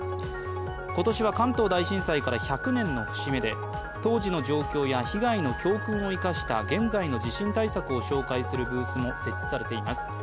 今年は関東大震災から１００年の節目で、当時の状況や被害の教訓を生かした現在の地震対策を紹介するブースも設置されています。